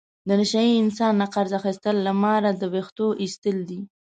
د نشه یي انسان نه قرض اخستل له ماره د وېښتو ایستل دي.